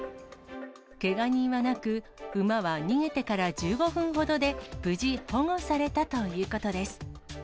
けが人はなく、馬は逃げてから１５分ほどで、無事保護されたということです。